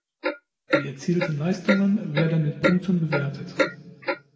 Die erzielten Leistungen werden mit Punkten bewertet.